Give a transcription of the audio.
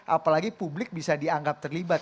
apalagi publik bisa dianggap terlibat